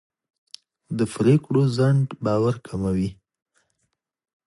د پرېکړو ځنډ باور کموي